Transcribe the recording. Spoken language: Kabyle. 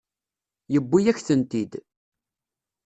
Yewwi-yak-tent-id.